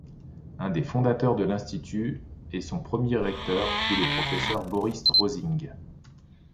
Un des fondateurs de l'institut et son premier recteur fut le professeur Boris Rosing.